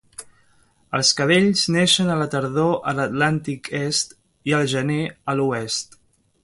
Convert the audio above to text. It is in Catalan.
Els cadells neixen a la tardor a l'Atlàntic est i al gener a l'oest.